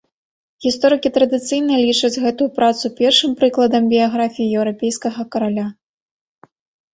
Гісторыкі традыцыйна лічаць гэту працу першым прыкладам біяграфіі еўрапейскага караля.